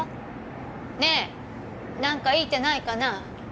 ねぇなんかいい手ないかな？